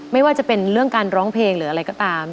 ไม่ว่าจะเป็นเรื่องการร้องเพลงหรืออะไรก็ตาม